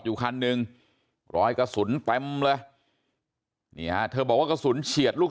อยู่คันหนึ่งรอยกระสุนเต็มเลยนี่ฮะเธอบอกว่ากระสุนเฉียดลูก